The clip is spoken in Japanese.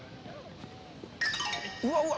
うわうわ！